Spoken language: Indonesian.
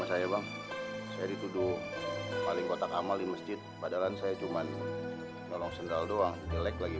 saya bang saya dituduh paling kotak amal di masjid padahal saya cuman nolong sendal doang jelek lagi